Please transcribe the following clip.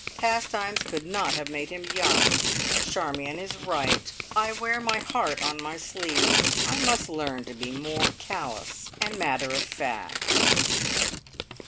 Pastimes could not have made him young! Charmion is right. I wear my heart on my sleeve. I must learn to be more callous and matter of fact!